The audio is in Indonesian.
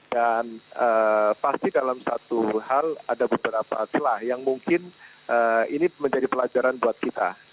dan pasti dalam satu hal ada beberapa telah yang mungkin ini menjadi pelajaran buat kita